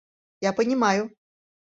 Я понимаю.